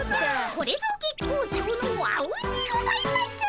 これぞ月光町のあうんにございます！